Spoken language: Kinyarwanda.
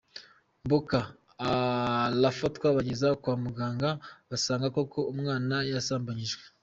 Mboka arafatwa bageze kwa muganga basanga koko umwana yasambanyijwe.